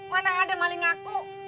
mana ada maling aku